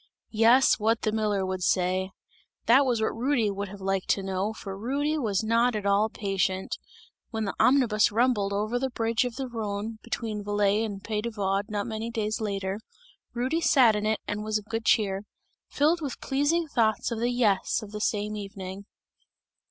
Yes, what the miller would say! That was what Rudy would have liked to know, for Rudy was not at all patient. When the omnibus rumbled over the bridge of the Rhone, between Valais and Pays de Vaud not many days after, Rudy sat in it and was of good cheer; filled with pleasing thoughts of the "Yes," of the same evening.